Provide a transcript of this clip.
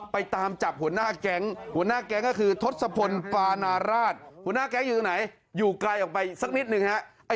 ไปตามจับหัวหน้าแก๊งทศพลปนนาราชหัวหน้าแก๊งอยู่ไหนอยู่ใกล้ออกไปนิดนึงนะฮะ